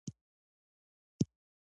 څېړونکي هم کولای شي له دې ګټه واخلي.